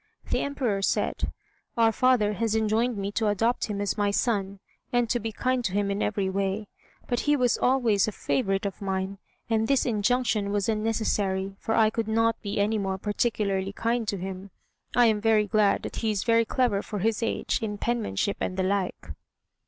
The Emperor said, "Our father has enjoined me to adopt him as my son, and to be kind to him in every way; but he was always a favorite of mine, and this injunction was unnecessary, for I could not be any more particularly kind to him. I am very glad that he is very clever for his age in penmanship and the like."